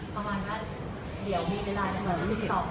ประมาณว่าเดี๋ยวมีเวลานะเดี๋ยวจะติดต่อมาเอง